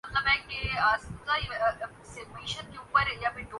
فیضؔ کیا جانیے یار کس آس پر منتظر ہیں کہ لائے گا کوئی خبر